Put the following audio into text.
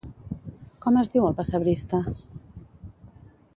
Com es diu el pessebrista?